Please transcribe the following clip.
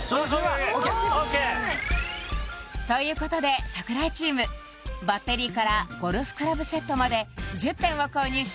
ＯＫＯＫ！ということで櫻井チームバッテリーからゴルフクラブセットまで１０点を購入し